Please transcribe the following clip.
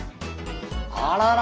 あらら！